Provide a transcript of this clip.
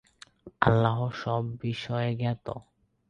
আল্লাহ সব বিষয়ে জ্ঞাত।